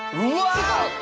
すごい！